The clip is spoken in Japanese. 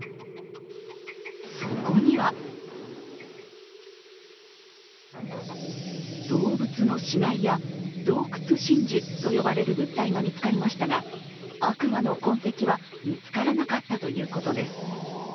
そこには動物の死骸や洞窟真珠と呼ばれる物体が見つかりましたが、悪魔の痕跡は見つからなかったということです。